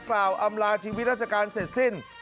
อำลาชีวิตราชการเสร็จสิ้น